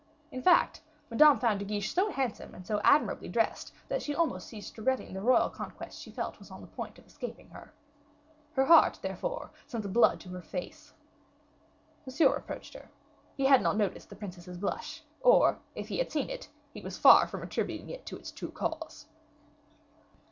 In fact, Madame found De Guiche so handsome and so admirably dressed, that she almost ceased regretting the royal conquest she felt she was on the point of escaping her. Her heart, therefore, sent the blood to her face. Monsieur approached her. He had not noticed the princess's blush, or if he had seen it, he was far from attributing it to its true cause.